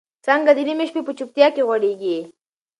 څانګه د نيمې شپې په چوپتیا کې غوړېږي.